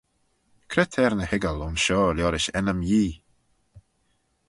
Cre t'er ny hoiggal aynshoh liorish ennym Yee?